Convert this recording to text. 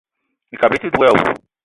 Ekabili i te dug èè àwu